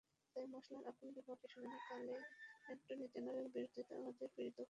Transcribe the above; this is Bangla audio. তাই মামলার আপিল বিভাগে শুনানিকালে অ্যাটর্নি জেনারেলের বিরোধিতা আমাদের পীড়িত করে।